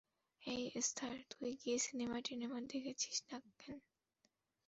হেই, Esther, তুই গিয়ে সিনেমা-টিনেমা দেখছিস না কেন?